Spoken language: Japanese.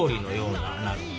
なるほど。